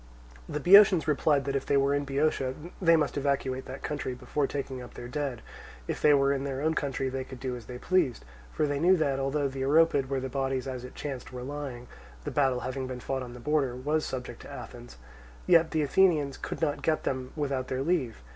The Boeotians replied that if they were in Boeotia, they must evacuate that country before taking up their dead; if they were in their own territory, they could do as they pleased: for they knew that, although the Oropid where the bodies as it chanced were lying (the battle having been fought on the borders) was subject to Athens, yet the Athenians could not get them without their leave.